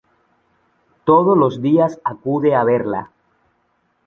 Todos los días acude a verla.